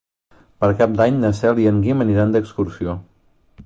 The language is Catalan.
Per Cap d'Any na Cel i en Guim aniran d'excursió.